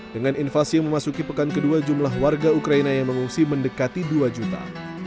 dengan invasi yang memasuki pekan kedua jumlah warga ukraina yang mengungsi mendekati dua juta